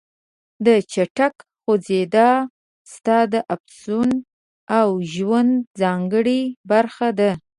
دا چټکه خوځېدا ستا د افسون او ژوند ځانګړې برخه ده.